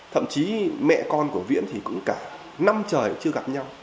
thậm chí mẹ con của viễn thì cũng cả năm trời chưa gặp nhau